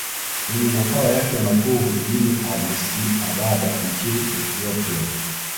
Yenye makao yake makuu mjini Addis Ababa nchini Ethiopia